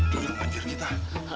tuh yang ngajir kita